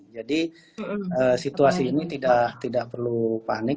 jadi situasi ini tidak perlu panik